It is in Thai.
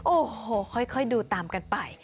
โอ้โหค่อยดูตามกันไป